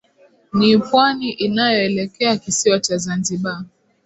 Ni pwani inayoelekea kisiwa cha zanzibar